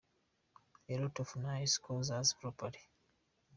a lot of nice causes, as properly.